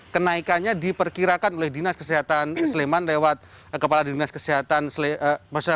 kenaikannya diperkirakan oleh dinas kesehatan sleman lewat kepala dinas kesehatan